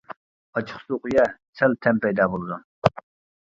-ئاچچىقسۇ قۇيە، سەل تەم پەيدا بولىدۇ.